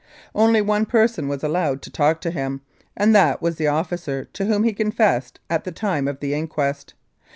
Only one person was allowed to talk to him, and that was the officer to whom he confessed at the time of the inquest.